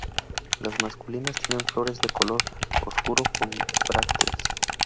Las masculinas tienen flores de color oscuro con brácteas.